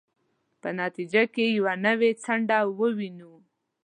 په نتیجه کې یوه نوې څنډه ووینو.